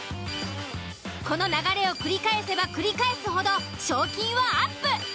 この流れを繰り返せば繰り返すほど賞金はアップ。